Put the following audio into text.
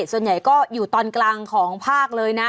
ส่วนใหญ่ก็อยู่ตอนกลางของภาคเลยนะ